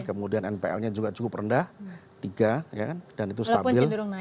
kemudian npl nya juga cukup rendah tiga dan itu stabil